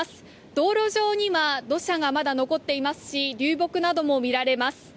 道路上には土砂がまだ残っていますし流木なども見られます。